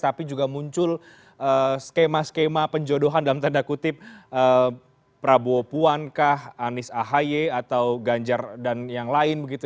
tapi juga muncul skema skema penjodohan dalam tanda kutip prabowo puankah anies ahy atau ganjar dan yang lain begitu